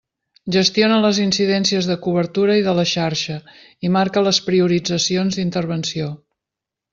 Gestiona les incidències de cobertura i de la xarxa i marca les prioritzacions d'intervenció.